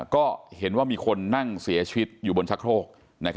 ก็เห็นว่ามีคนนั่งเสียชีวิตอยู่บนชะโครก